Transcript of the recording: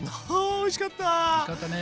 おいしかったね。